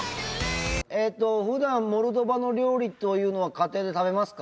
普段モルドバの料理というのは家庭で食べますか？